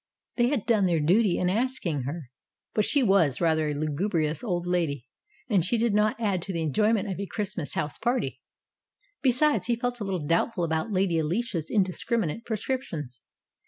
They had done their duty in asking her, but she was rather a lugubrious old lady, and did not add to the enjoyment of a Christmas house party. Be sides, he felt a little doubtful about Lady Alicia's indiscriminate prescriptions.